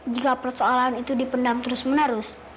jika persoalan itu dipendang terus menerus